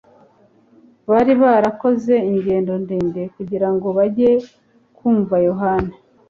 Bari barakoze ingendo ndende kugira ngo bajye kumva Yohana,